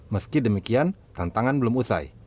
meski demikian tantangan belum usai